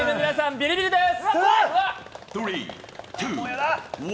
ビリビリです！